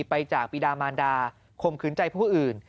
ไปจากปีดามานดาข่มขืนใจผู้อื่น